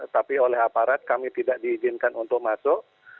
tapi oleh aparat kami tidak diizinkan untuk masuk